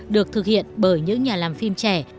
được thực hiện bởi những nhà làm phim trẻ